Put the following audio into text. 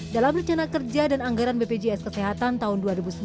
dalam rencana kerja dan anggaran bpjs kesehatan tahun dua ribu sembilan belas